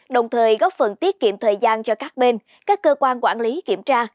đồng thời góp phần tiết kiệm thời gian cho các bên các cơ quan quản lý kiểm tra